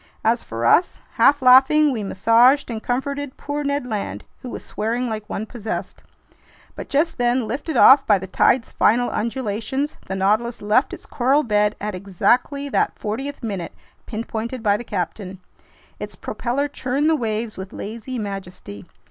As for us, half laughing, we massaged and comforted poor Ned Land, who was swearing like one possessed. But just then, lifted off by the tide's final undulations, the Nautilus left its coral bed at exactly that fortieth minute pinpointed by the captain. Its propeller churned the waves with lazy majesty.